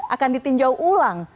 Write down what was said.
akan ditinjau ulang